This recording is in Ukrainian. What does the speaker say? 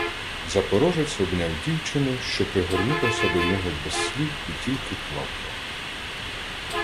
Запорожець обняв дівчину, що пригорнулася до нього без слів і тільки плакала.